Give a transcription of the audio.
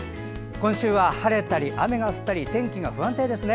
今週は晴れたり雨が降ったり天気が不安定ですね。